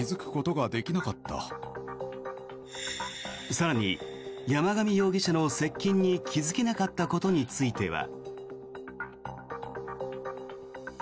更に山上容疑者の接近に気付けなかったことについては。